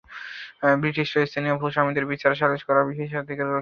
ব্রিটিশরা স্থানীয় ভূস্বামীদের বিচার, সালিশ করার বিশেষাধিকারগুলোও কেড়ে নেয়।